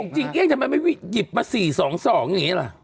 จริงเยี่ยงทำไมไม่หยิบมา๔๒๒อย่างนี้หรือ